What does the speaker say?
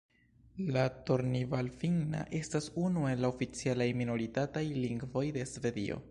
La Tornival-finna estas unu el la oficialaj minoritataj lingvoj de Svedio.